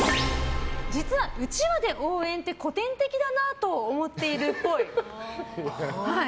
実は、うちわで応援って古典的だなと思っているっぽい。